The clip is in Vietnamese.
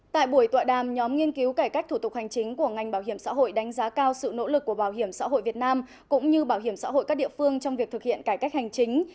tại buổi tọa đàm nhóm nghiên cứu cải cách thủ tục hành chính của ngành bảo hiểm xã hội đánh giá cao sự nỗ lực của bảo hiểm xã hội việt nam cũng như bảo hiểm xã hội các địa phương trong việc thực hiện cải cách hành chính